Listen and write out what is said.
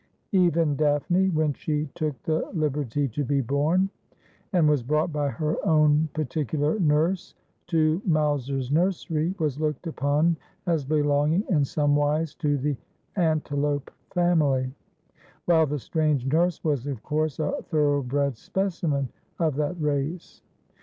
Even Daphne, when she took the liberty to be born, and was brought by her own particular nurse to Mowser's nursery, was looked upon as belonging in some wise to the antelope family ; while the strange nurse was, of course, a thoroughbred specimen of that race.